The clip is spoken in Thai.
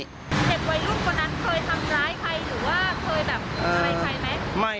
เด็กวัยรุ่นคนนั้นเคยทำร้ายใครหรือว่าเคยแบบอะไรใครไหม